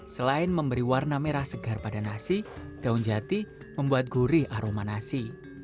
selain memberi warna merah segar pada nasi daun jati membuat gurih aroma nasi